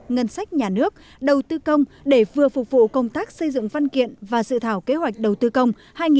ngân sách nhà nước đầu tư công để vừa phục vụ công tác xây dựng văn kiện và sự thảo kế hoạch đầu tư công hai nghìn hai mươi một hai nghìn hai mươi năm